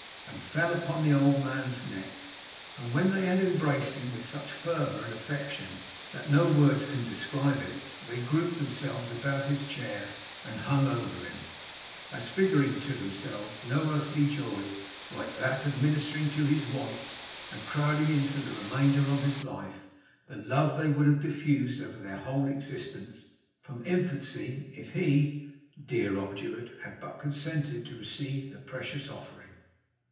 and fell upon the old man's neck. And when they had embraced him with such fervour of affection that no words can describe it, they grouped themselves about his chair, and hung over him, as figuring to themselves no earthly joy like that of ministering to his wants, and crowding into the remainder of his life, the love they would have diffused over their whole existence, from infancy, if he dear obdurate! had but consented to receive the precious offering.